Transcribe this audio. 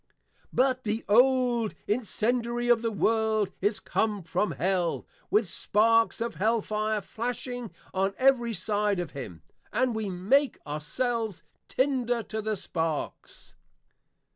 But the old Incendiary of the world, is come from Hell, with Sparks of Hell Fire flashing on every side of him; and we make our selves Tynder to the Sparks.